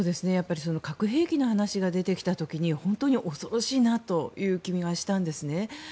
核兵器の話が出てきた時に本当に恐ろしいなという気がしたんですね。